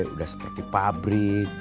udah seperti pabrik